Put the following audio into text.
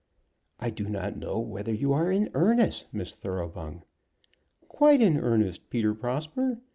"I do not know whether you are in earnest, Miss Thoroughbung." "Quite in earnest, Peter Prosper.